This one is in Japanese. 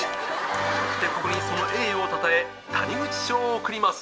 よってここにその栄誉をたたえ谷口賞を贈ります。